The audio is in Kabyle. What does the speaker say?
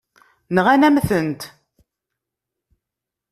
Nɣan-am-tent.